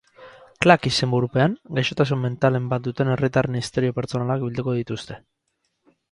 Klak izenburupean, gaixotasun mentalen bat duten herritarren istorio pertsonalak bilduko dituzte.